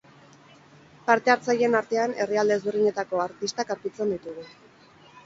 Parte hartzaileen artean herrialde ezberdinetako artistak aurkitzen ditugu.